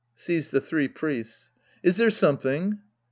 {Sees the three priests.) .Is there something?